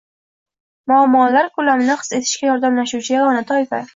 muammolar ko‘lamini his etishga yordamlashuvchi yagona toifa.